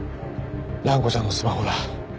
蘭子ちゃんのスマホだ。